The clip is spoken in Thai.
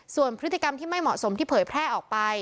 ส่วนพฤติกรรมที่ไม่เหมาะสมที่เผยแพร่ออกไป